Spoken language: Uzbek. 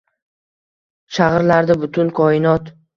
Shag’irlardi butun koinot